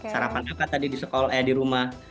sarapan apa tadi di sekolah eh di rumah